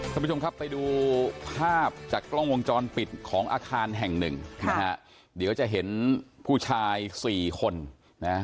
ท่านผู้ชมครับไปดูภาพจากกล้องวงจรปิดของอาคารแห่งหนึ่งนะฮะเดี๋ยวจะเห็นผู้ชายสี่คนนะ